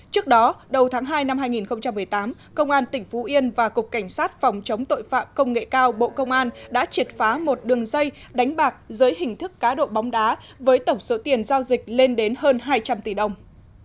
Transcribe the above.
trước đó đầu tháng hai năm hai nghìn một mươi tám công an tỉnh phú yên và cục cảnh sát phòng chống tội phạm công nghệ cao bộ công an đã triệt phá một đường dây đánh bạc dưới hình thức cá độ bóng đá với tổng số tiền giao dịch lên đến hơn hai trăm linh tỷ đồng